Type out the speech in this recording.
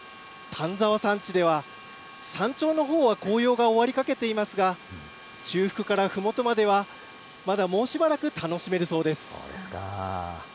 丹沢山地では、山頂のほうは紅葉が終わりかけていますが、中腹からふもとまでは、まだもうしばらく楽しめるそうです。